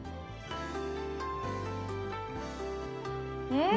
うん！